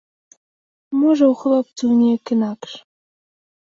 Можа ў хлопцаў неяк інакш.